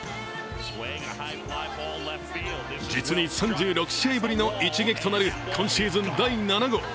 実に３６試合ぶりの一撃となる今シーズン第７号。